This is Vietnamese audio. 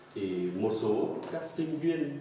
vì một số các sinh viên